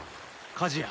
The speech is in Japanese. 火事や。